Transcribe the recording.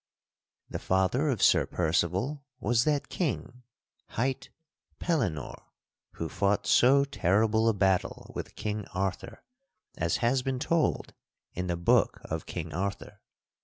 The father of Sir Percival was that king hight Pellinore who fought so terrible a battle with King Arthur as has been told in the Book of King Arthur.